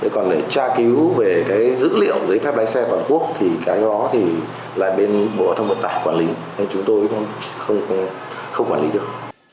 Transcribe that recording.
còn để tra cứu về dữ liệu giấy phép lái xe quản quốc thì cái đó lại bên bộ thông vận tải quản lý chúng tôi không quản lý được